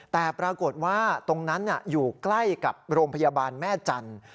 แต่ปรากฏว่าตรงนั้นอยู่ใกล้กับโรงพยาบาลแม่จันทร์